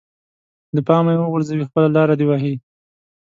له پامه يې وغورځوي خپله لاره دې وهي.